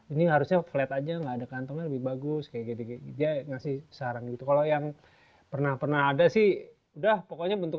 ini juga yang saya ingin kasih tau